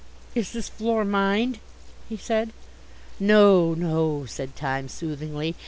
"Is this floor mined?" he said. "No, no," said Time soothingly.